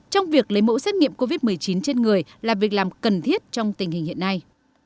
trong việc lấy mẫu xét nghiệm covid một mươi chín trên người là việc làm cần thiết trong tình hình hiện nay